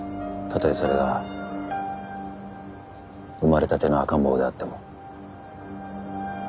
たとえそれが生まれたての赤ん坊であっても。